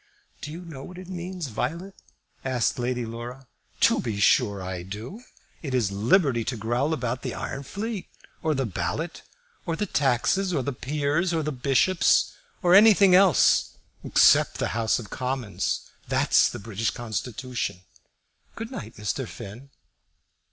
"Do you know what it means, Violet?" asked Lady Laura. "To be sure I do. It is liberty to growl about the iron fleet, or the ballot, or the taxes, or the peers, or the bishops, or anything else, except the House of Commons. That's the British Constitution. Good night, Mr. Finn."